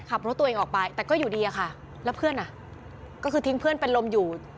ขับรถตัวเองออกไปแต่ก็อยู่ดีอะค่ะแล้วเพื่อนอ่ะก็คือทิ้งเพื่อนเป็นลมอยู่